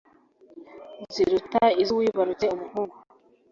ziruta iz’uwibarutse umuhungu